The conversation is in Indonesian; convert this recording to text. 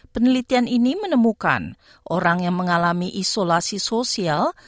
penelitian ini menemukan orang yang mengalami isolasi sosial